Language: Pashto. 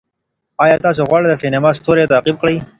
آیا تاسې غواړئ د سینما ستوری تعقیب کړئ؟